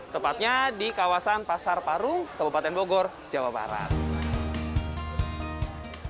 tepatnya di kawasan pasar paru kabupaten bogor jawa barat